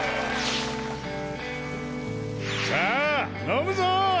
さあのむぞ！